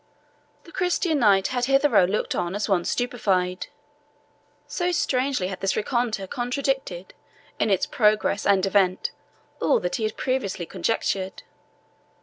The Christian Knight had hitherto looked on as one stupefied, so strangely had this rencontre contradicted, in its progress and event, all that he had previously conjectured.